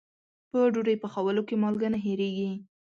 په ډوډۍ پخولو کې مالګه نه هېریږي.